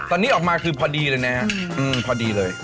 ตอนนี้ออกมาคือพอดีเลยนะฮะพอดีเลย